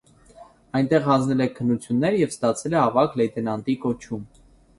Այնտեղ հանձնել է քննություններ և ստացել է ավագ լեյտենանտի կոչում։